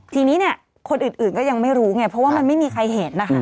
ทีนี้เนี่ยคนอื่นก็ยังไม่รู้ไงเพราะว่ามันไม่มีใครเห็นนะคะ